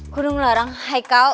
gue udah ngelarang haikal